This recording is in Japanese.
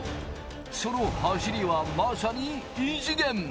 その走りはまさに異次元。